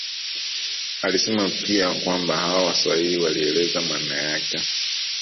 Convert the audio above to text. Alisema pia ya kwamba hao Waswahili walieleza maana yake